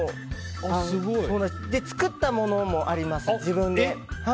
作ったものもあります、自分で。